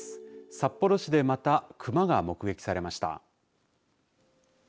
札幌市でまた熊が目撃されました。